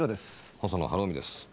細野晴臣です。